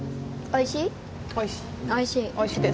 おいしい。